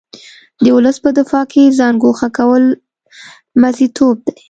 د ولس په دفاع کې ځان ګوښه کول موزیتوب دی.